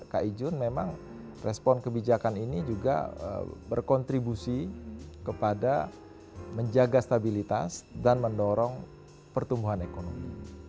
pak ijun memang respon kebijakan ini juga berkontribusi kepada menjaga stabilitas dan mendorong pertumbuhan ekonomi